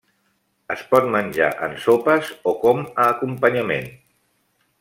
Es pot menjar en sopes o com a acompanyament.